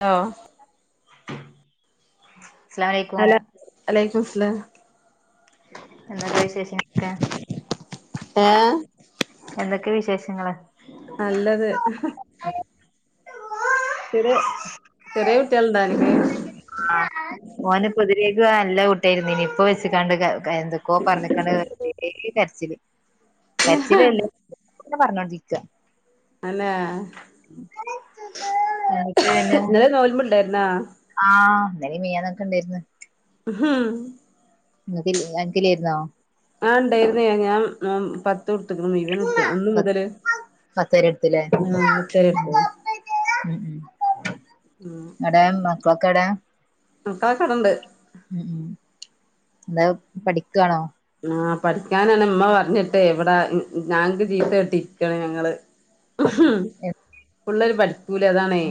ആ അസ്സലാമു അലൈക്കും [unintelligible] എന്തൊക്കെ വിശേഷക്കേ ഏഹ് ന്തൊക്കെ വിശേഷങ്ങള്? നല്ലത് ചെറ്യെ ചെറ്യേ കുട്ട്യെൾ ണ്ടോ അൻക്ക് ഓന്റെ പൊതിരേക്ക് നല്ല ക കുട്ട്യായിരുന്നീഞ്ഞി ഇപ്പൊ വെച്ക്കാണ്ട് ക കെ എന്തൊക്കോ പറഞ്ഞിക്കാണ്ട് [unintelligible] കരച്ചില് കരച്ചിലല്ലേ [unintelligible] പർഞ്ഞോണ്ട്രിക്ക അന്നെ അതൊക്കെ പിന്നെ ഇന്നലെ നോൽമ്പുണ്ടായിരുന്നാ ആഹ് ഇന്നലെ മിനിയാന്നൊക്കെ ണ്ടായിര്ന്ന് ഹും ങ്ങകിൽ അൻക് ഇല്ലായിരുന്നോ ആഹ് ണ്ടായിര്ന്ന് ഞാൻ മോം പത്തൊട്ത്ക്ണ് [unintelligible] അന്ന് മുതല് പത്തരെടുത്തില്ലേ ആ ഉച്ചരെ എടുത്തേ ഉം ഉം എടേ മക്ളൊക്കെ എടേ മക്കളൊക്കെ ആടെ ണ്ട് ന്താ പഠിക്കണോ? ആഹ് പഠിക്കാനാണ് മ്മ പർഞ്ഞിട്ട് വിടാ ഞാങ്‌ ക്ക് ചീത്തേട്ടിരിക്കാണ് ഞങ്ങള് പിള്ളേര് പഠിക്കൂല അതാണേ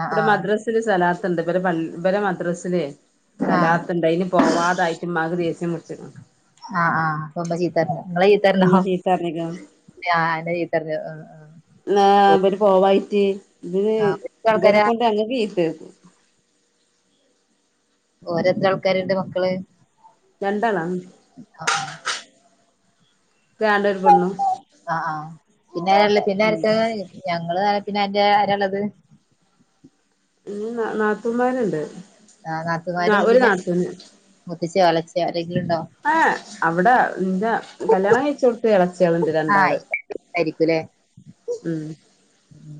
ആഹ് ഇവിടെ ആഹ് മദ്രാസിൽ സലാത്ണ്ട് ബലെ പൾ ഇവരെ മദ്രസിലേ ആഹ് സലാത്ത്ണ്ട് അയ്ന് പോവാതായ്ട്ട് ഇമ്മാക്ക് ദേസ്യം പുട്ച്ച്ക്ക്ണ് ആഹ് ആഹ് അപ്പമ്മ ചീത്തർഞ്ഞ് ഇങ്ങളെ ചീത്തർഞ്ഞോ ഇന്നെ ചീത്ത പറഞ്ഞ്ക്ക്ണ് ഞാ ന്നെ ചീത്തർഞ്ഞു ഓ ആഹ് ഇവര് പോവായിട്ട് ഇവര് ആഹ് എത്ര ഇവരെ ആൾക്കാരാ കൊണ്ട് ഞങ്ങക്ക് ചീത്തേക്കും ഓരെത്ര ആൾക്കാര്ണ്ട് മക്കള് രണ്ടാളാണ് ആഹ് ഒരാണും ഒരു പെണ്ണും ആഹ് ആഹ് പിന്നാരാള്ളെ പിന്നെ ആരെക്കെള്ളെ ഞങ്ങള് പിന്നെ അന്റെ ആരാള്ളത് ഇഞ്ഞ് ന നാത്തൂമാര്ണ്ട് ന ഒര് നാത്തൂന് മുത്തച്ച്യോ എളച്ച്യോ ആരെങ്കിലുണ്ടോ ആഹ് അവ്ടെ ഇന്റെ കല്യാണം കയ്ച്ചാേട്ത്ത് എളച്ച്യേള്ണ്ട് രണ്ടാള് ആഹ് ഉം ഉം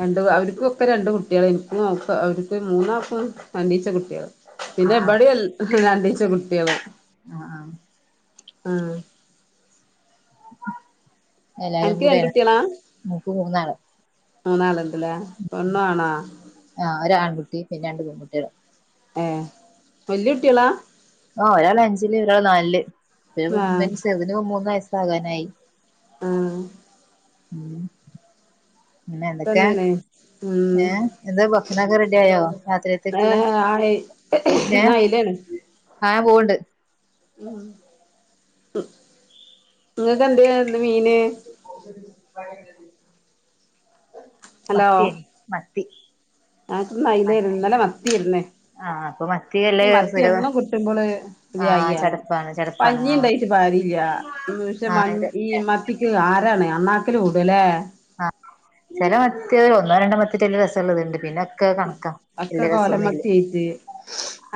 രണ്ട് അവര്ക്കും ഒക്കെ രണ്ട് കുട്ട്യേള് ഇൻക്കും ഒക്കെ അവര്ക്ക് മൂന്നാക്കും രണ്ടീച്ചെ കുട്ട്യേള് പിന്നെ ആഹ് ആഹ് ബടിം എൽ രണ്ടീച്ചെ കുട്ട്യേള് ആഹ് ആഹ് ആഹ് എല്ലാരും അനക്ക് കൂട്യാ മ്ക്ക് മൂന്നാള് മൂന്നാള്ണ്ട്ലേ പെണ്ണും ആണാ? കുട്ടി പിന്നെ രണ്ട് പെങ്കുട്ട്യേള് ഏഹ് വല്ല്യെ കുട്ട്യേളാ ആഹ് ഒരാള് അഞ്ച്ല് ഒരാള് നാൽല് ആഹ് പിന്നെപ്പം ചെർതിന്പ്പം മൂന്ന് വയസ്സാകാനായി ആഹ് ഉം പിന്നെന്തെക്കേ തന്നെയാണ് ഉം ഏഹ് എന്താ ഭക്ഷണൊക്കെ റെഡ്യോയോ രാത്രിയത്തേക്ക്ള്ളെ [unintelligible] ന്ന് അയിലെണ് ആഹ് ഞാ പോവ്ണ്ട് ഉമ് നിങ്ങക്ക എന്തിനാ ന്ന് മീന് മത്തിയേനി മത്തി [unintelligible] മത്തി ഇന്നല്ലെ മത്തിയിരുന്നേ ആഹ് അപ്പൊ മത്തി അല്ലേ ഈ മത്തി സുലഭ എന്നും കിട്ടുമ്പോള് ആഹ് [unintelligible] ചടപ്പാണ് ചടപ്പാണ് പഞ്ഞി ആഹ് ണ്ടായിട്ട് പാ അരില്ല പക്ഷെ മ ആഹ് ഇത് ഈ മത്തിക്ക് ആരാണ് അണാക്കല് കൂടല്ലേ ആഹ ചില മത്തി ഒന്നോ രണ്ടോ മത്തിട്ടല്ല രസമുള്ള ഇത്ണ്ട് പിന്നെ ഒക്കെ കണക്കാ അക്ക വല്യ രസൊന്നുല്ല കോലമത്തിയയിച്ച്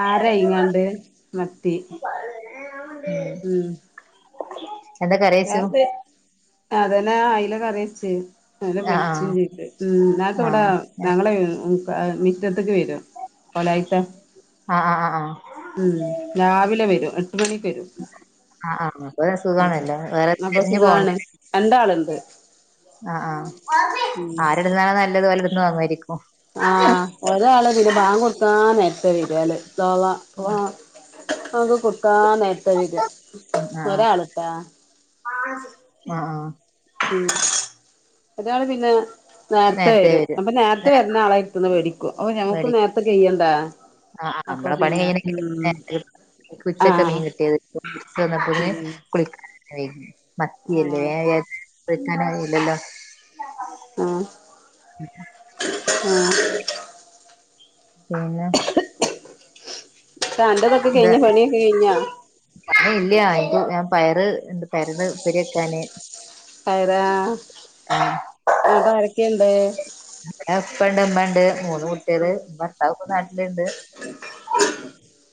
ആര ഇങ്ങാണ്ട് മത്തി ഉം ഉം [unintelligible] വ അതന്നെ അയിലൊക്കെറിച്ച അല്ല പെച്ചും ആഹ് ചെയ്് ഉ ഞങ്ങക്ക് ഇവിടെ ആഹ് ഞങ്ങളെ മിറ്റത്തേക്ക് വരും കൊലായിട്ട ആഹ് ആഹ് ആഹ് ആഹ് ഉം രാവിലെ വരും ഗണി പരു ആഹ് ആഹ് അപ്പൊ ഉ സുഖാണല്ലോ വേറെ അപ്പൊ തെരഞ്ഞു പോവണ്ട സുഖാണ് എന്താളുണ്ട് ആഹ് ആഹ ആര്ടുന്നാല നല്ലതുപോലെ ഇടുന്ന് വാങ്ങമായിരിക്കും ആഹ് ഒരാരാള് പിെ ഭാാം കൊടുത്താനായിട്ട് വരില് സോവാ നമക്ക് കുട്ടാ നേത്ത വക ഒരാളട്ടാ ആഹ ആ ഉം അതാണ് പിന്നെ നേരത്തെ വരും അപ്പൊ നേരത്തെ വരുന്ന ആളെ ഇത്തന്ന് പേടിക്കും അപ്പൊ ഞുക്ക് മേടിക്കും നേരത്തെ ചെയ്യണ്ടാ ആഹ് ആ നമ്മെ പണി കഴിെ ഈ ഉച്ചൊക്കെ ആഹ് മീൻ കിട്ടിയത് വന്നപ്പോെ ഉം കുളിക്ക വ മത്തിയല്ലേ ആഹ് വേക്കാനറിയില്ലല്ലോ ആഹ ആഹ പിന്നെ ത്താ അന്റതൊക്കെ അത കഴിഞ്ഞ പണിയൊക്കെ കഴിഞ്ഞാ അ ഇല്ലയ എക്ക് ഞാൻ പയറ് എന്ത് പയരുട് ഉപ്പരി വെക്കാന് ആയത ആതരൊക്കെയുണ്ട് അപ്പണ്ട് അമ്മ ഉണ്ട് മൂന്ന് കുട്ടികള് ഭർത്താവക്ക നാട്ടിലുണ്ട്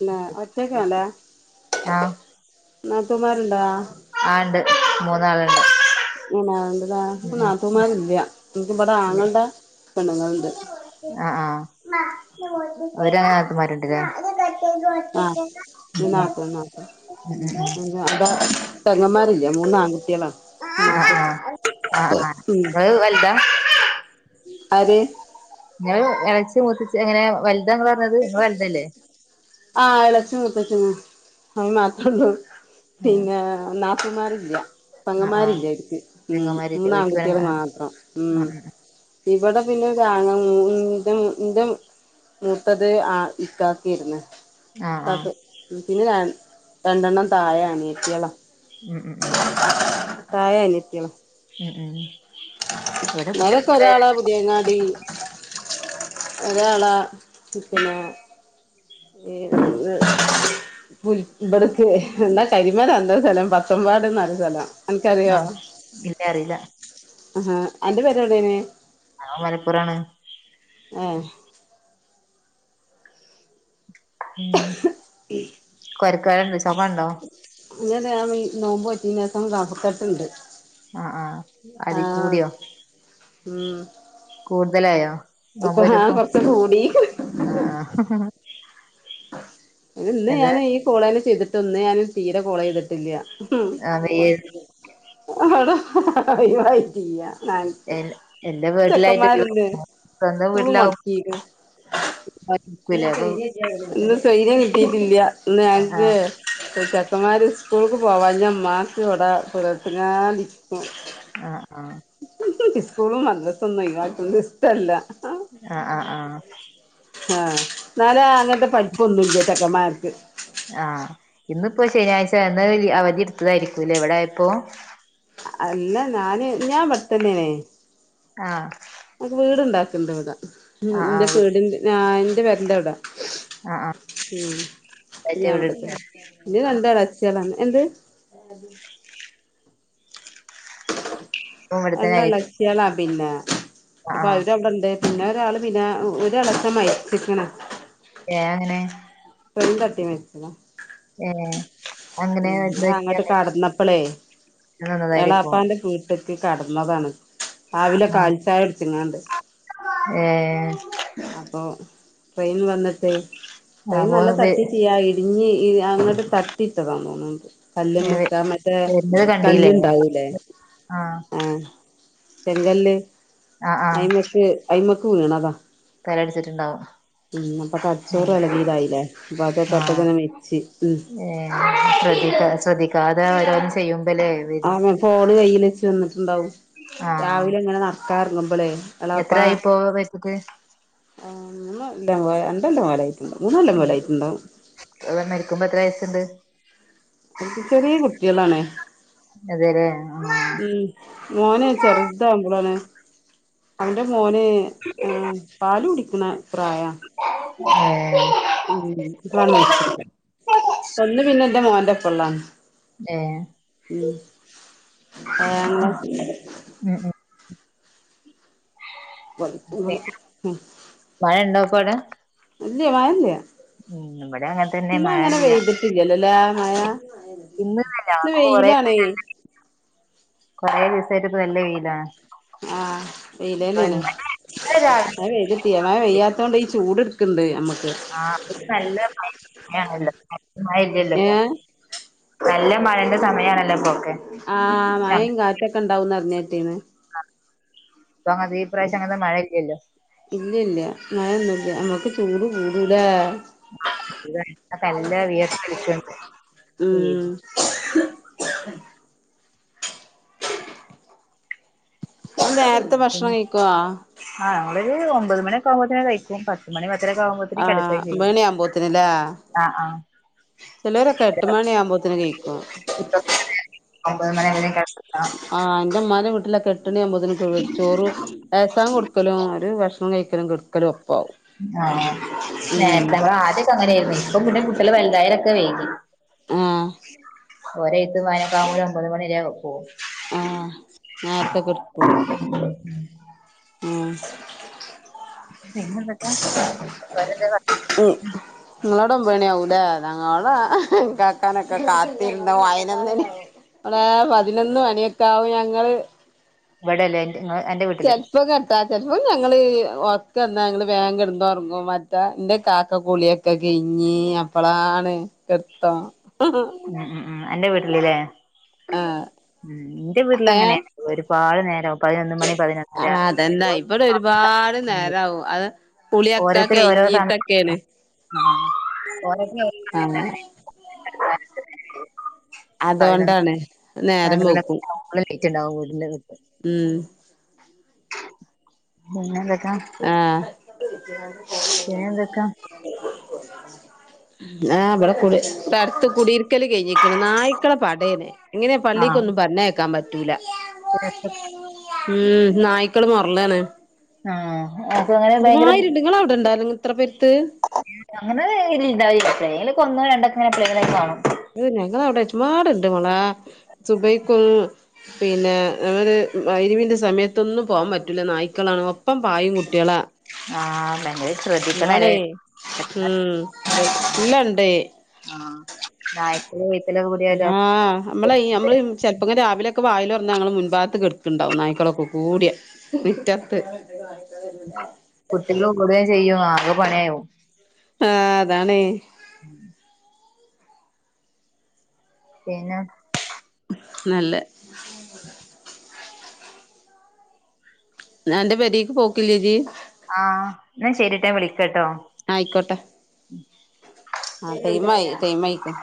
ല്ല ഒറ്റക്കല്ലേ ആഹ് നട്ടമാരുണ്ടോ ആ ഉണ്ട് മൂന്നാളുണ്ട് ഉം ഉം നാട്ടുമാരില്ല എനിക്ക്ി ഇവിടെ ഇല്ല ആങ്ങുടെ പെണ്ണുങ്ങളുണ്ട് ആ ആഹ അവരങ്ങനെ ആക്കമാരുണ്ട്ല്ലേ ആഹ് നാത്തൂൻ [unintelligible] നാത്തൂൻ അതാ പെങ്ങന്മാരില്ല മൂന്ന് ആൺകുട്ടികളാ ആഹ ഉമ്മാക്ക് ആ ആഹ് ആ അ വലത അ ഇളച്ച മുത്തിച്ച് അങ്ങനെ വ ആ അലക്ഷം മുത്തച്ചങ് അവ മാത്രേ ഉള്ളൂ ആ പിന്നെ നാപ്പമാർല്ല ആ ആ പങ്ങമാരി ഇല്ലാായിരിക്ക ഉം പെങ്ങന്മാരില്ലേ ഓൽക്ക് പെങ്ങ ആ മൂന്നാംകട്ടികളങ്ങ മാത്രം ആ ഉം ഇവിടെ പിന്നെ ത്തത് ആ ഇക്കാക്കിയിരുന്നു ആ ആ പിന്നെ ഞൻ രണ്ടെണ്ണം താഴെ ആാണ് എത്തിയള ഉം ഉം ഉം പ്രായനിത്യം ഉ ഉ നിതക്കെ ഒരാളാ പുതിയങ്ങാടി അതള ചിക്കന ഏ പു ഇവിടക്ക് എന്താ കരിമല എന്ത സ്ഥലം പത്തമ്പാട്ന്നരു സ്ഥലം അൻക്കറിയോ ആഹ് ഇന്നെ അറിയില്ല ആഹാ എന്റെ പേര്വിടെനെ ആ മലപ്പുറാണ് ആഹ [unintelligible] [unintelligible] നോബോറ്റിനി ലേസം കഫകെട്ട് ണ്ട് ആഹ് ആഹ് അതി കൂടിയോ ഉമ് കൂടുതലായോ നോബോറ്റപ്പം കൊറച്ച് കൂടീക്ക്ണ് ആഹ് ആഹ് ഇന്ന് അത് ഞാന് ഈ കോളേനെ ചെയ്തിട്ട് ന്ന് ഞാൻ തീരെ കോള ചെയ്തിട്ടില്ല. ആഹ് ഒഴിവായി ചെയ്യാ [unintelligible] ചെക്കന്മാര്ണ്ട് സ്കൂള് വീട്ടിലാവും മൊടക്കീക്ക്ണ് ഇന്ന് സൈര്യം കിട്ടിട്ടില്ല ന്ന് ഞക്ക് ആഹ് ചക്കന്മാര് സ്കൂൾക്ക് പോവാഞ്ഞ മ്മാക് ട [unintelligible] ആഹ് ആഹ് ഇസ്കൂളും മദ്രസൊന്നു ഒഴിവാകുന്നെ ഇഷ്ടല്ല ആഹ് ആഹ് ആഹ് ആഹ് എന്നാലെ അങ്ങനത്തെ പഠിപൊന്നും ല്ല ചക്കന്മാർക്ക് ആഹ് ഇന്നപ്പോ ശനിയാഴ്ചാ അവധി എടുത്തതായിരിക്കൂല്ലേ ഇവിടായപ്പോ അല്ല ഞാന് ഞാൻ ഇവടത്തന്നേ നെ ആഹ് വീടുണ്ടാക്ക ഉമ് ആഹ് ഇന്റെ ആഹ് വീടി ആഹ് ഇന്റെ പേരന്റെ അവിട ആഹ് ആഹ് ഉമ് റ്റ ഇവിടെ എടുക്ക ഞാൻവിടത്തെ ഇജി ആഹ് രണ്ട് എളച്ചയാളന്ന എന്ത് ഇപ്പൊ ഇവിടെത്തന്നെ ആയിരിക്കും രണ്ടെളച്യാളാ പിന്നെ അപ്പൊ ആഹ് അവര് അവിടെണ്ട്. പിന്നെ ഒരാള് പിന്നെ ഒരളെച്ചൻ മര്ച്ച്ക്ക്ണ്. ഏഹ് എങ്ങനെ? ട്രെയിൻ തട്ടി മര്ച്ചതാ. ഏഹ് അങ്ങനെ ഉം എന്ത് ഓൻ പറ്റി അങ്ങട്ട് അങ്ങനെ കട്ന്നപ്പളേ നിന്നതായിരിക്കും എളാപ്പാന്റെ [unintelligible] കട്ന്നതാണ്. രാവിലെ ആഹ് കാൽചായട്ച്ച്ങ്ങാണ്ട്. അപ്പൊ ഏഹ്. ട്രെയിൻ വന്നിട്ടേ ട്രെയിൻ അപ്പൊ നല്ല തട്ടിട്ട്യ ഇടിഞ്ഞ് അങ്ങട്ട് തട്ടി ട്ടതാ തോന്ന്ണ്ട്. കല്ല്മ്മക്ക് ആ മറ്റേ വരുന്നത് കല്ല് കണ്ടീല്ലേ ഇണ്ടാവൂലേ ആഹ്. ചെങ്കല്ല് ആഹ് ആഹ് അയ്മക്ക് അയ്മക്ക് വീണതാ. തലട്ച്ചിട്ട്ണ്ടാവും. ഉം അപ്പൊ തൽച്ചോറ് എളകിതായില്ലേ. അപ്പൊ അത് പെട്ടന്നെന്നെ മെര്ച്ച് ഉം. ശ്രദ്ധിക്ക ശ്രദ്ധിക്കാതോരോ അങ്ങനെ ഫോണ് കൈയില് വെച്ച് നിന്ന്ട്ടുണ്ടാവും. ആഹ് രാവിലെങ്ങനെ നടക്കാർങ്ങുമ്പോളേ. എളാപ്പ എത്രായിപ്പോ മരിച്ചിട്ട് ആ മൂന്നൊല്ല രണ്ടല്ലം പോരായി. മൂന്നെല്ലം പോലെ ഉം ആയിട്ട്ണ്ടാവും. മരിക്കുമ്പോ എത്ര വയസ്സുണ്ട് ഓന്ക്ക് ചെറീ കുട്ടിയളാണ്. അതേല്ലേ ആഹ് ഉം മോന് ചെർതാവ്മ്പോളാണ് അവന്റെ മോന് ഏ പാല് കുടിക്ക്ണ പ്രായാ. ഏഹ്. ഉം ഉം [unintelligible] ഒന്ന് പിന്നെ ന്റെ മോന്റെപ്പൊള്ളാണ്. ഏഹ് ഉം ഏഹ് അങ്ങനെ [inaudible] പിന്നെ പഠിക്കുമ്പള് ഉം മയ ണ്ടപ്പോ അവടെ ഇല്ല മയല്ല തന്നെ ഇന്ന് മഴ അങ്ങനെ ഇല്ല പെയ്തിട്ടില്ലല്ലോ ലെ മയ ഇന്ന് നല്ല ഇന്ന് വെയ്ലാണേ കൊറെ ദിവസായിട്ട് പ്പൊ നല്ല വെയിലാ ആ വെയ്ലെന്നേണ് ഇന്നലെ മഴ രാവിലെ പെയ്തിട്ട്ല്ല മഴ പെയ്യാത്തോണ്ട് ഈ ചൂട് ക്ക്ണ്ട് ആ നല്ല മഴണ്ട് മഴയില്ലല്ല ഇപ്പൊ ഏഹ് നല്ല മഴൻ്റെ സമയണല്ലോ ഇപ്പൊ ആഹ് മഴയും കാറ്റൊക്കെ ഉണ്ടാവന്ന റിഞ്ഞിട്ടേന്ന് ആ അപ്പൊ അത് ഇപ്രാവശ്യം അങ്ങത്തെ മഴയില്ലല്ലോ നമുക്ക് ചൂട് കൂടുല്ലാ ആ തലല്ല് വിയർക്കിണ്ട് ഉം വെയില് നേരത്തെ ഭക്ഷണം കഴിക്കുവാ നമ്മള് ഒമ്പത് മണിയൊക്കെ ആവുമ്പോത്തേ കഴിക്കും പത്ത് മണി പത്തരൊക്കെ ആകുമ്പോത്തിന് ആഹ് കിടക്കുകയും ചെയ്യും ഒമ്പണ്യാവുമ്പോത്ത്ന് ലെ ആ ആ ചിലവരൊക്കെ എട്ട് മണി ആകുമ്പോത്തിന് കഴിക്കും അങ്ങനെ എങ്ങനെക്ക മ്മാര വീട്ടിലൊക്കെ എട്ടുണി ആകുമ്പോന് ചോറ് ഏസാങ്ക് കൊടുക്കലും ഓല് ഭക്ഷണം കഴിക്കലും കടുക്കലോ ആ നേത്തെമ്മള് ആദ്യൊക്കെ അങ്ങനെയായിരുന്നു ഇപ്പ പിന്നെ കുട്ട്യള് വലുതായലൊക്കെ വൈകി ആഹ് ഒരേ എഴുത്ത് വാഴനോക്കെ ആവുമ്പോഴ് ഒമ്പത് മണിരെ പോവും ആ നേരത്തെ കിടക്കും ഉം പിന്നെ എന്തെക്കെ അവരെന്തെ പറഞ്ഞു നിങ്ങളവിടെ ഒബാണിയാവുലെ ഞങ്ങളോട കാക്കാനൊക്കെ കാത്തിരുന്ന് പതിനൊന്നണി അടെ പതിനൊന്ന് മണിയൊക്കവും ഞങ്ങള് ഇവിടല്ലേ ങ്ങള് അന്റെ വീട്ടില് ചിലപ്പോം ഞങ്ങള് ഒർക്ക് വന്നാ ഞങ്ങള് വേഗം കിടന്നുറങ്ങും മറ്റ എന്റെ കാക്ക കൂളിയൊക്കെ കഴിഞ്ഞ് നീ അപ്പളാണ് കൃത്തം ഉം ഉം ഉം എന്റെ വീട്ടിലില്ലേ ആഹ് ഉം എന്റെ വീട്ടില് അങ്ങനെണ് ഒരുപാട് നേരം പതിനൊന്ന് മണി ആ പതിനൊന്നര അതെന്നെ ബടെ ഒരുപാട് നേരാവും അത് കുളിയക്കാ ഓരോരുത്തര് ഓരോ സമയ കഴഞ്ഞിട്ടൊക്കോണ് ഓരോരുത്തര് ഓരോ ആ സമയത്താണ് പതിനൊന്ന് അതുകൊണ്ടാണ് നേരം പന്ത്രണ്ട് പോവും മണി ലേറ്റ് ഉണ്ടാവും വീട്ടില് വീട്ടിൽ പിന്നെന്തൊക്കാ ആഹ് പിനെന്തൊക്കാ ആ പിന്നെയാ നമ്മള് കുളി ഇപ്പ അടുത്ത് കുടിയിരിക്കല്ല് കഴിഞ്ഞികണാ നയിക്കളെ പടേന് ഇങ്ങനെ ആഹ് പള്ളിക്കകൊന്നും പറഞ്ഞേക്കാൻ പ പറ്റൂല്ല [unintelligible] ഉം നായ്ക്കള് മൊർളാണ് ആ പ്പൊങ്ങനെ ഭയങ്കര ഇങ്ങളെ അവിടെ ഇണ്ടോ ഇത്ര പെരുത്ത് അങ്ങനെ ഇല് ഇണ്ടാവില്ലാത്രോ [unintelligible] ഒന്നോ രണ്ടൊക്കെങ്ങനെ എപ്പളെങ്കിലൊക്കെ കാണും അത് ഞങ്ങളെ അവിടെ അച്ചുമാട്ണ്ട് മ ളെ സുബൈക്കും പിന്നെ നമ്മള് മഹ് രിവിന്റെ സമയത്തൊന്നും പോവാൻ പറ്റൂല നായ്ക്കളാണ് ഒപ്പം പായും കുട്ട്യാളാ ആഹ് ഭയങ്കര ശ്രദ്ധിക്കണല്ലേ അതാണേ ഉം എല്ലണ്ട് [inaudible] ആഹ് നായ്ക്കള് വഴുത്തിലൊക്കെ ആ കൂടിയാലോ നമ്മളെ നമ്മള് ചെൽപ്പങ്കി രാവിലെ വാതിലൊർന്നാ ഞങ്ങളെ മുൻമ്പാത്ത് കട്ക്ക്ണ്ടാവും നായ്ക്കളൊക്കകൂടി മിറ്റത്ത് കുട്ട്യാൾടെ കൂടെ ചെയ്യും ആകെ പണിയാവും ആ അതാണെ [inaudible] പിന്നെ നല്ലെ ന്ന അന്റെ പെരേക്ക് പോക്കില്ലേ ഇജ്ജ് ആ ന്നാ ശരിട്ടാ ഞാ വിൾക്കട്ടൊ ആ ടൈം ആയി ടൈം അയിക്കൂ